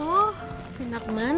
oh pindah ke mana